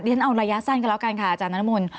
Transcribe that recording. ฉันเอาระยะสั้นกันแล้วกันค่ะอาจารย์นรมน